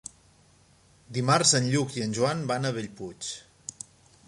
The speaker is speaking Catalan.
Dimarts en Lluc i en Joan van a Bellpuig.